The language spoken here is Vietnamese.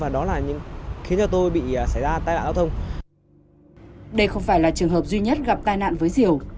đây không phải là trường hợp duy nhất gặp tai nạn với diều